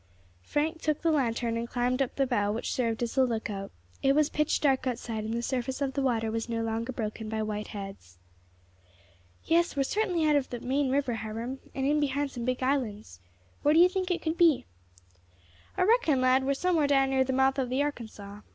Frank took the lantern and climbed up the bough which served as a lookout. It was pitch dark outside, and the surface of the water was no longer broken by white heads. "Yes, we are certainly out of the main river, Hiram, and in behind some big islands. Where do you think it could be?" "I reckon, lad, we are somewhere down near the mouth of the Arkansas.